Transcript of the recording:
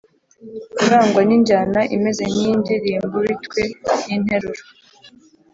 urangwa n’injyana imeze nk’iy’indirimbo bitwe n’interuro